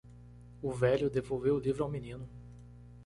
O velho devolveu o livro ao menino.